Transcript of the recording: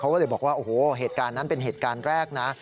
ก็เลยบอกว่าโอ้โหเหตุการณ์นั้นเป็นเหตุการณ์แรกนะ